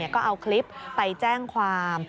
ก็เอาคลิปไปแจ้งความ